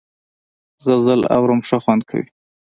غزل اورم ښه خوند کوي .